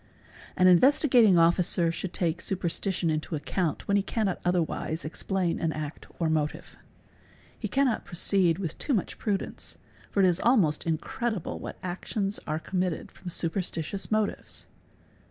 . An Investigating Officer should take superstition into account when he cannot otherwise explain an act or motive. He cannot proceed with too much prudence, for it is almost incredible what actions are com mitted from superstitious motives.